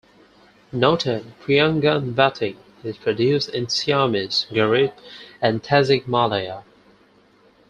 Noted Priangan batik is produced in Ciamis, Garut, and Tasikmalaya.